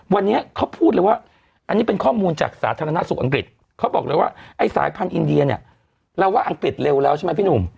วันนี้เขาพูดเลยว่าอันนี้เป็นข้อมูลจากสาธารณสุขอังกฤษเขาบอกเลยว่าไอ้สายพันธุอินเดียเนี่ยเราว่าอังกฤษเร็วแล้วใช่ไหมพี่หนุ่ม